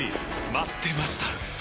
待ってました！